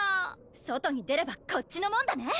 外に出ればこっちのもんだね！